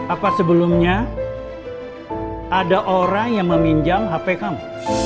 apa sebelumnya ada orang yang meminjam hp kamu